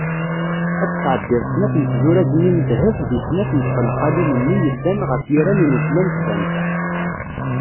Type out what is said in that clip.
Ad tesɛeddiḍ snat n tzuraz-nni n ddheb di snat n txelxalin-nni yellan ɣef yiran n ufella n tbanta.